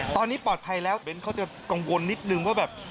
ตอนนี้ปลอดภัยแล้วเบ้นเขาจะกังวลนิดนึงว่าแบบ